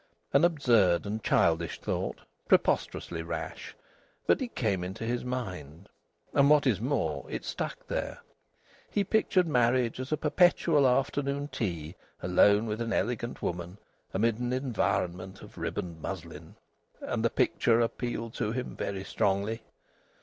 An absurd and childish thought, preposterously rash; but it came into his mind, and what is more it stuck there! He pictured marriage as a perpetual afternoon tea alone with an elegant woman, amid an environment of ribboned muslin. And the picture appealed to him very strongly.